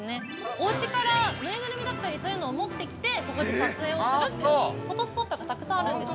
おうちから縫いぐるみだったり、そういうのを持ってきて、ここで撮影をするというフォトスポットがたくさんあるんです。